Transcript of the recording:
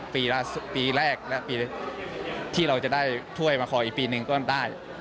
ปีแรกและปีที่เราจะได้ถ้วยมาขออีกปีหนึ่งก็ได้